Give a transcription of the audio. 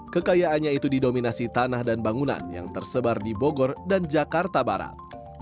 kekayaannya itu didominasi tanah dan bangunan yang tersebar di bogor dan jakarta barat